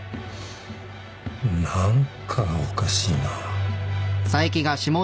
何かがおかしいな。